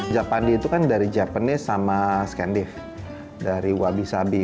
japandi itu kan dari japanese sama scandif dari wabi sabi